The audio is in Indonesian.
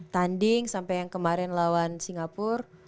tanding sampai yang kemarin lawan singapura